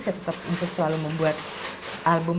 saya tetap untuk selalu membuat album